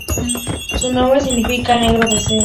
Su nombre significa "Negro Deseo".